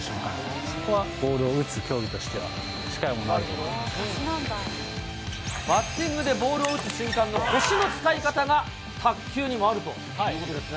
ここはボールを打つ競技としてはバッティングでボールを打つ瞬間の腰の使い方が卓球にもあるということですね。